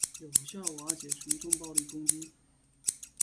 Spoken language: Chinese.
有效瓦解群众暴力攻击